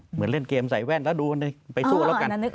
เหมือนเล่นเกมใส่แว่นแล้วดูไปสู้แล้วกัน